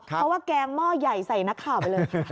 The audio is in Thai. เพราะว่าแกงหม้อใหญ่ใส่นักข่าวไปเลย